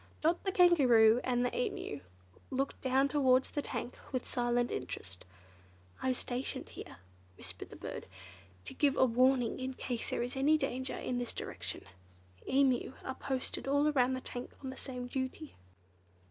Dot, the Kangaroo, and the Emu looked towards the tank with silent interest. "I'm stationed here," whispered the bird, "to give a warning in case there is any danger in this direction. Emu are posted all round the tank on the same duty."